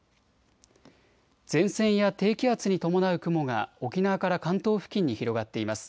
前線や低気圧に伴う雲が沖縄から関東付近に広がっています。